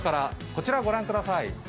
こちらご覧ください。